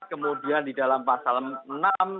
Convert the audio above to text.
kemudian di dalam pasal enam